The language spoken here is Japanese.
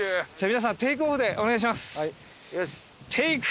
皆さんテイクオフでお願いします。